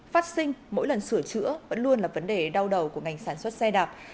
phát sinh mỗi lần sửa chữa vẫn luôn là vấn đề đau đầu của ngành sản xuất xe đạp